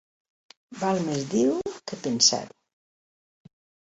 Val més dir-ho que pensar-ho.